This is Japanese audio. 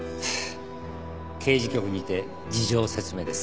刑事局にて事情説明です。